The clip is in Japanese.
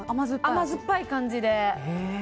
甘酸っぱい感じで。